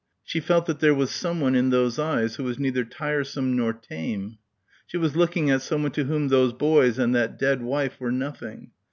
She felt that there was someone in those eyes who was neither tiresome nor tame. She was looking at someone to whom those boys and that dead wife were nothing.